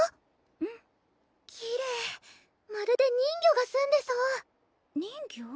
うんきれいまるで人魚が住んでそう人魚？